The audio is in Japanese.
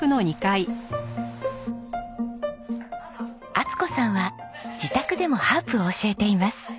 充子さんは自宅でもハープを教えています。